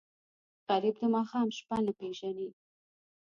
غریب د ماښام شپه نه پېژني